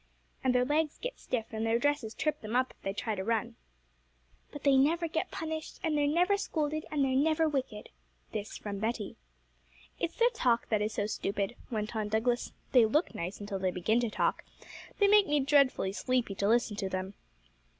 'And their legs get stiff, and their dresses trip them up if they try to run.' 'But they never get punished, and they're never scolded, and they're never wicked.' This from Betty. 'It's their talk that is so stupid,' went on Douglas; 'they look nice until they begin to talk; they make me dreadfully sleepy to listen to them.'